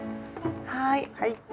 はい。